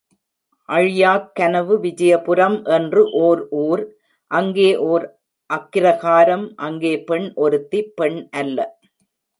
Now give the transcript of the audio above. அழியாக் கனவு விஜயபுரம் என்று ஓர் ஊர், அங்கே ஓர் அக்கிரகாரம் அங்கே பெண் ஒருத்தி பெண் அல்ல.